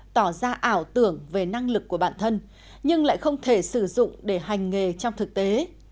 tỏ ra ảo tưởng về năng lực của bản thân nhưng lại không thể sử dụng để hành nghề trong thực tế